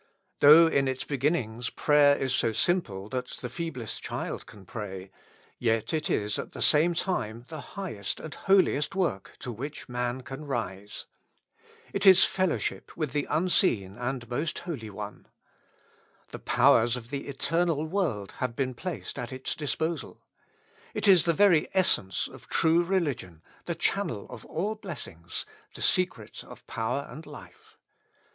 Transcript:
Though in its begin nings prayer is so simple that the feeblest child can pray, yet it is at the same time the highest and holiest work to which man can rise. It is fellowship with the Unseen and Most Holy One. The powers of the eternal world have been placed at its disposal. It is the very essence of true religion, the channel of all blessings, the secret of power and life.